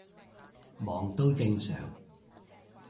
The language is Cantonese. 忙都正常